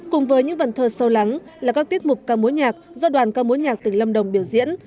cùng với những vần thơ sâu lắng là các tiết mục ca mối nhạc do đoàn ca mối nhạc tỉnh lâm đồng biểu diễn